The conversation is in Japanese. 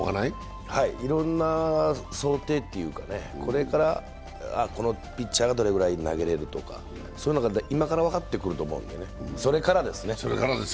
いろいろな想定というか、これからこのピッチャーはどれくらい投げれるとか、そういうのが今から分かってくると思うんでね、それからですね。